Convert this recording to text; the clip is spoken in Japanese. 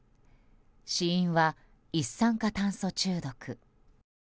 死因は一酸化炭素中毒。